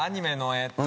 えーっと。